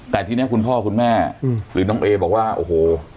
แต่ทีนี้คุณพ่อคุณแม่หรือน้องเอบอกว่าโอ้โห